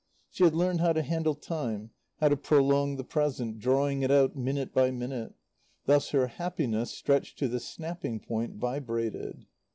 She had learned how to handle time, how to prolong the present, drawing it out minute by minute; thus her happiness, stretched to the snapping point, vibrated.